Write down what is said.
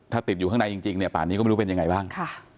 ถ้าติดอยู่ข้างในจริงเนี่ยป่านนี้ก็ไม่รู้เป็นยังไงบ้าง